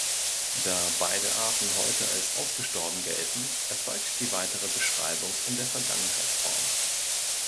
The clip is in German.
Da beide Arten heute als ausgestorben gelten, erfolgt die weitere Beschreibung in der Vergangenheitsform.